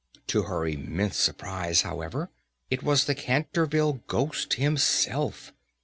To her immense surprise, however, it was the Canterville Ghost himself!